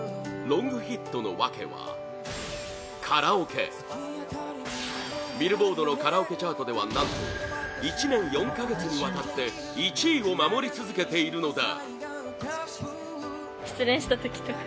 ロングヒットの訳はカラオケビルボードのカラオケチャートでは、何と１年４か月にわたって１位を守り続けているのだ